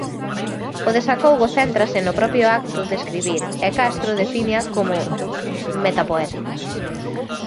O desacougo céntrase no propio acto de escribir e Castro defínea como metapoética.